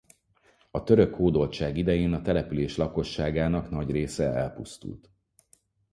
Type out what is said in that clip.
A török hódoltság idején a település lakosságának nagy része elpusztult.